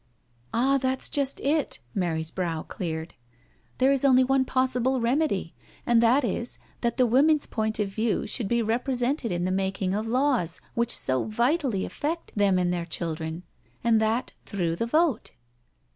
" Ah, that's just it." Mary's brow cleared. " There BRACKENHILL HALL 45 is only one possible remedy, and that is that the women's point of view should be represented in the making of laws which so vitally affect them and their children — and that through the vote."